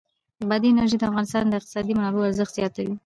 بادي انرژي د افغانستان د اقتصادي منابعو ارزښت زیاتوي.